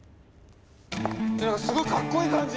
何かすごいかっこいい感じ。